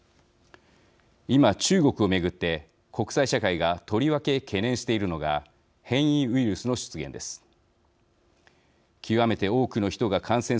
今、中国を巡って国際社会がとりわけ懸念しているのが変異ウイルスの出現です。